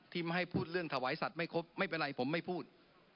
ไม่ให้พูดเรื่องถวายสัตว์ไม่ครบไม่เป็นไรผมไม่พูด